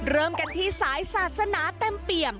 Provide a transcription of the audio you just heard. เริ่มกันที่สายศาสนาเต็มเปี่ยม